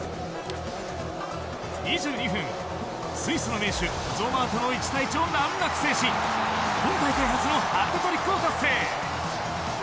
２２分、スイスの名手ゾマーとの１対１を難なく制し今大会初のハットトリックを達成。